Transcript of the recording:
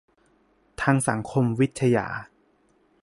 ทางสังคมวิทยา